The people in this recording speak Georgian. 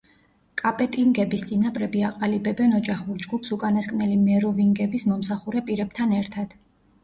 კაპეტინგების წინაპრები აყალიბებენ ოჯახურ ჯგუფს უკანასკნელი მეროვინგების მომსახურე პირებთან ერთად.